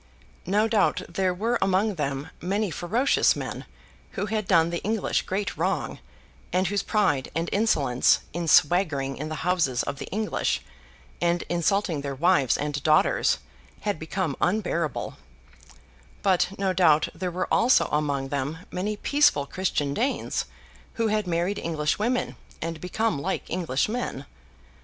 No doubt there were among them many ferocious men who had done the English great wrong, and whose pride and insolence, in swaggering in the houses of the English and insulting their wives and daughters, had become unbearable; but no doubt there were also among them many peaceful Christian Danes who had married English women and become like English men.